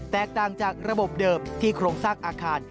แตกต่างจากระบบเดิมที่โครงสร้างอาคาร